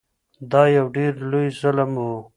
دا یو ډیر لوی ظلم و.